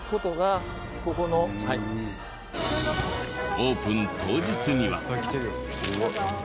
オープン当日には。